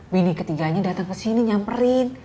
bini ketiganya dateng kesini nyamperin